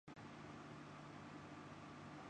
جو کسی بھی بولی وڈ فلم کی جانب سے سب سے بڑی ریلیز ہے